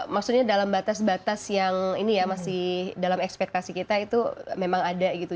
maksudnya dalam batas batas yang ini ya masih dalam ekspektasi kita itu memang ada gitu